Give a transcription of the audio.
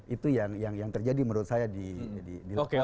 itu yang terjadi menurut saya di lapangan